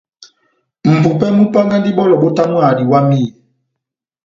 Mʼpupɛ múpángandi bɔlɔ bótamwaha diwamiyɛ.